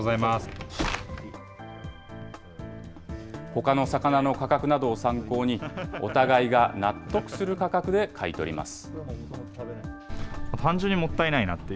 ほかの魚の価格などを参考に、お互いが納得する価格で買い取ります。